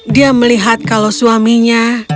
dia melihat kalau suaminya